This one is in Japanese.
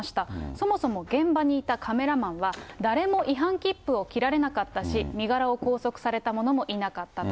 そもそも現場にいたカメラマンは、誰も違反切符を切られなかったし、身柄を拘束されたものもいなかったと。